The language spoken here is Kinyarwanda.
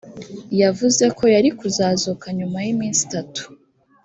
yavuze ko yari kuzazuka nyuma y iminsi itatu